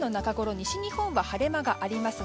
西日本では晴れ間がありますが